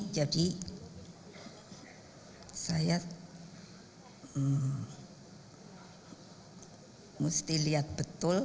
jadi saya mesti lihat betul